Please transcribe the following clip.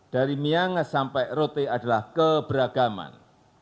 dari miangas sampai rote adalah keberagaman